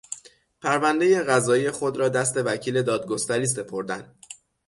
پروندهی قضایی خود را دست وکیل دادگستری سپردن